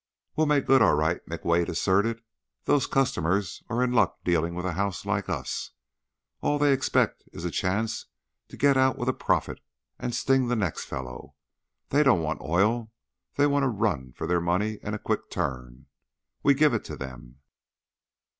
"We'll make good, all right," McWade asserted. "Those customers are in luck dealing with a house like us. All they expect is a chance to get out with a profit and sting the next fellow. They don't want oil; they want a run for their money and a quick turn. We give it to them."